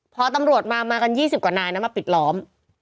พอตำรวจมามากัน๒๐กว่านายนะมาปิดล้อม